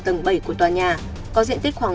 tầng bảy của tòa nhà có diện tích khoảng